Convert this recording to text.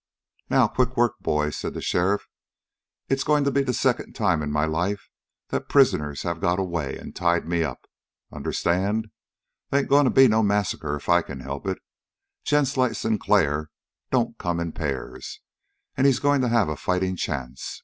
"Now, quick work, boys," said the sheriff. "It's going to be the second time in my life that prisoners have got away and tied me up. Understand? They ain't going to be no massacre if I can help it. Gents like Sinclair don't come in pairs, and he's going to have a fighting chance.